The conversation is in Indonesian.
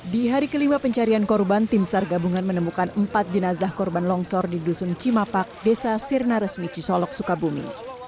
di hari kelima pencarian korban tim sar gabungan menemukan empat jenazah korban longsor di dusun cimapak desa sirna resmi cisolok sukabumi